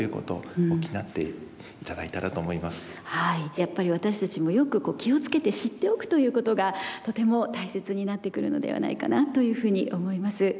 やっぱり私たちもよく気を付けて知っておくということがとても大切になってくるのではないかなというふうに思います。